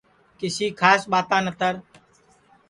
کسی کھاس ٻاتا نتر